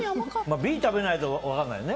Ｂを食べないと分かんないね。